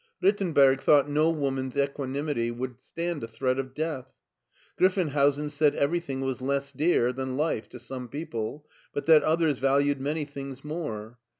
Rittenberg thought no woman's equanimity would stand a threat of death. Griff enhousen said everything was less dear than life to some people, but that others valued many things more.